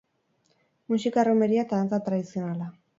Musika erromeria eta dantza tradizionala.